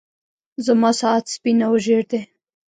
زما ساعت سپين او ژړ دی.